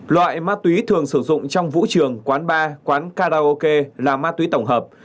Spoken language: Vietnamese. loại ma túy thường sử dụng trong vũ trường quán bar quán karaoke là ma túy tổng hợp